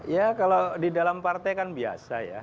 ya kalau di dalam partai kan biasa ya